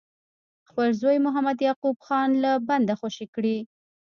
خپل زوی محمد یعقوب خان له بنده خوشي کړي.